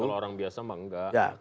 kalau orang biasa mah enggak